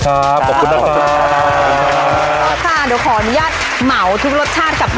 ขอบคุณมากค่ะขอบคุณมากค่ะโอเคค่ะเดี๋ยวขออนุญาตเหมาทุกรสชาติกับท่าน